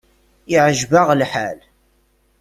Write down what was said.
Iɛǧeb-aɣ lḥal.